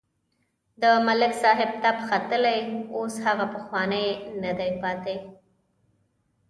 د ملک صاحب تپ ختلی اوس هغه پخوانی نه دی پاتې.